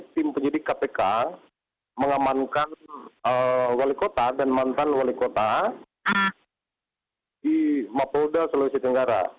tim penyidik kpk mengamankan wali kota dan mantan wali kota di mapolda sulawesi tenggara